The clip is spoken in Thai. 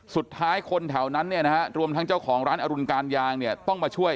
สุดท้ายคนแถวนั้นรวมทั้งเจ้าของร้านอรุณการยางต้องมาช่วย